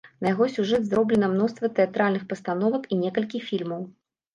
На яго сюжэт зроблена мноства тэатральных пастановак і некалькі фільмаў.